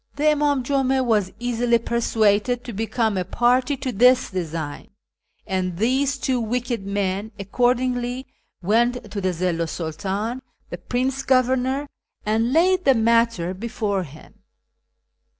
The Imdm Jum a was easily persuaded to become a party to this design, and these two wicked men accordingly went to the Zillu 's Sidtdn, the Prince Governor, and laid the matter before him.